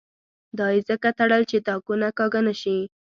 دا یې ځکه تړل چې تاکونه کاږه نه شي.